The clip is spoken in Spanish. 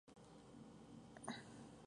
Juega de mediocampista central.